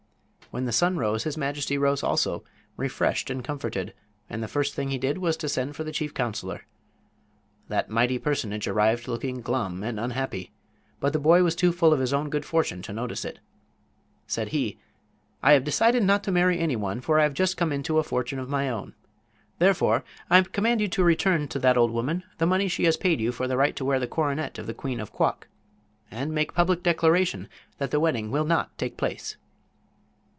When the sun rose his majesty rose also, refreshed and comforted, and the first thing he did was to send for the chief counselor. That mighty personage arrived looking glum and unhappy, but the boy was too full of his own good fortune to notice it. Said he: "I have decided not to marry anyone, for I have just come into a fortune of my own. Therefore I command you return to that old woman the money she has paid you for the right to wear the coronet of the queen of Quok. And make public declaration that the wedding will not take place."